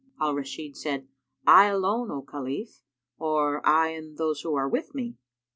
Al Rashid said, "I alone, O Khalif, or I and those who are with me?"